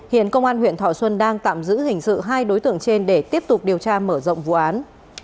hiện công an huyện thọ xuân đang tạm giữ hình sự hai đối tượng trên để tiếp tục điều tra mở rộng vụ án